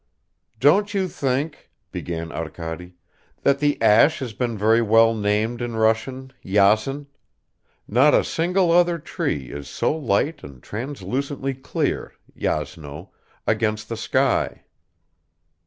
"Don't you think," began Arkady, "that the ash has been very well named in Russian Yasen; not a single other tree is so light and translucently clear (yasno) against the sky."